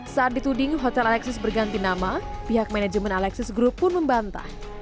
saat dituding hotel alexis berganti nama pihak manajemen alexis group pun membantah